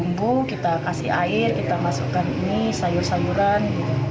bumbu kita kasih air kita masukkan ini sayur sayuran